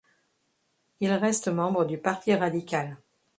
Il reste membre du Parti radical.